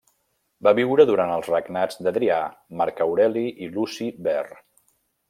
Va viure durant els regnats d’Adrià, Marc Aureli i Luci Ver.